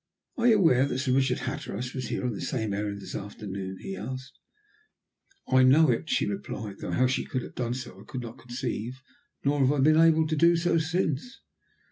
"Are you aware that Sir Richard Hatteras was here on the same errand this afternoon?" he asked. "I know it," she replied, though how she could have done so I could not conceive, nor have I been able to do so since.